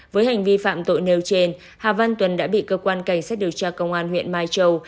với hành vi phạm tội nêu trên hà văn tuần đã bị cơ quan cảnh sát điều tra công an huyện mai châu